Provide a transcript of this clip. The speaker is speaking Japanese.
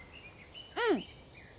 うん。